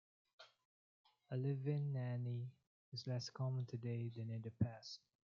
A "live in" nanny is less common today than in the past.